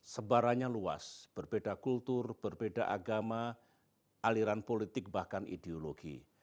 sebarannya luas berbeda kultur berbeda agama aliran politik bahkan ideologi